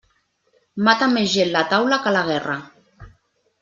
Mata més gent la taula que la guerra.